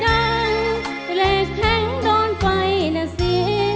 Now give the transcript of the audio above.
ดังเล็กแข็งดอนไฟหน่าสิ